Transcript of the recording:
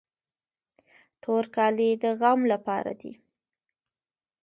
تور کالي د غم لپاره دي.